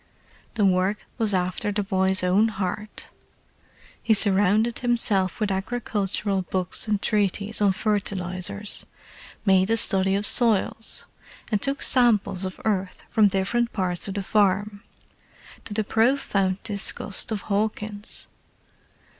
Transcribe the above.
The work was after the boy's own heart: he surrounded himself with agricultural books and treaties on fertilizers, made a study of soils, and took samples of earth from different parts of the farm—to the profound disgust of Hawkins.